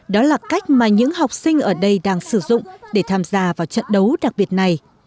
đó là cách mà những học sinh ở đây đang sử dụng để tham gia vào trận đấu đặc biệt này